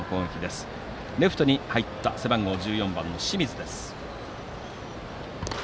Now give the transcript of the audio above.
日大三高のレフトに入った背番号１４番の清水です。